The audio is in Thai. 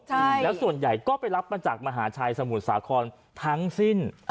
ใช่แล้วส่วนใหญ่ก็ไปรับมาจากมหาชัยสมุทรสาครทั้งสิ้น